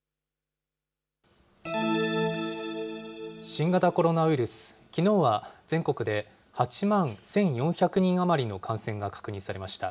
新型コロナウイルス、きのうは全国で８万１４００人余りの感染が確認されました。